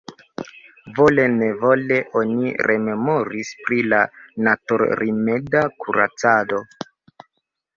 Vole-nevole oni rememoris pri la natur-rimeda kuracado.